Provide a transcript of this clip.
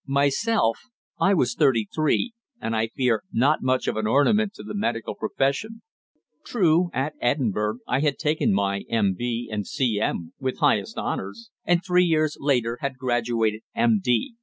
Myself, I was thirty three, and I fear not much of an ornament to the medical profession. True, at Edinburgh I had taken my M.B. and C.M. with highest honours, and three years later had graduated M.D.